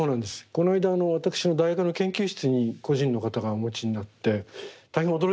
この間私の大学の研究室に個人の方がお持ちになって大変驚いたんですけども。